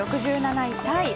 ６７位タイ。